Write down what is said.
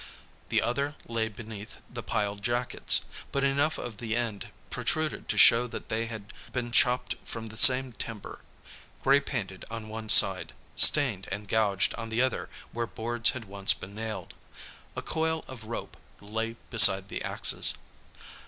The other lay beneath the piled jackets; but enough of the end protruded to show that they had been chopped from the same timber, gray painted on one side, stained and gouged on the other where boards had once been nailed. A coil of rope lay beside the axes.